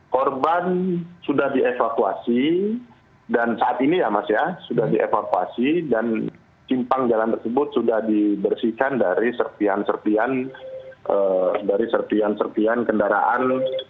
korban sudah dievakuasi dan saat ini ya mas ya sudah dievakuasi dan simpang jalan tersebut sudah dibersihkan dari serpian serpian dari serpian serpian kendaraan